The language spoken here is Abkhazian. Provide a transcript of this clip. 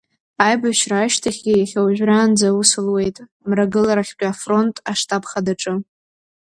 Аибашьра ашьҭахьгьы иахьа уажәраанӡа, аус луеит Мрагыларахьтәи афронт аштаб хадаҿы.